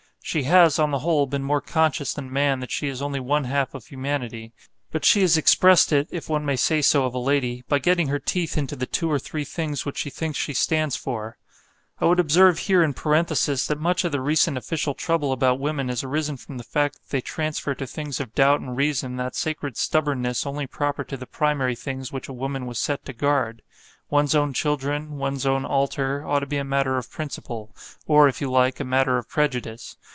She has, on the whole, been more conscious than man that she is only one half of humanity; but she has expressed it (if one may say so of a lady) by getting her teeth into the two or three things which she thinks she stands for. I would observe here in parenthesis that much of the recent official trouble about women has arisen from the fact that they transfer to things of doubt and reason that sacred stubbornness only proper to the primary things which a woman was set to guard. One's own children, one's own altar, ought to be a matter of principle or if you like, a matter of prejudice.